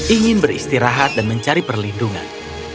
ingin beristirahat dan mencari perlindungan